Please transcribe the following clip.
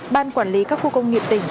ban quản lý các khu công nghiệp tỉnh